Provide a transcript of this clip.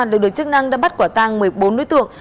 được được chức năng đã bắt quả tăng một mươi bốn đối tượng